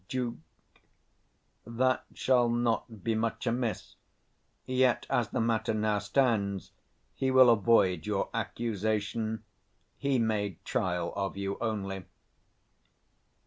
Duke. That shall not be much amiss: yet, as the matter now stands, he will avoid your accusation; he made trial of you only.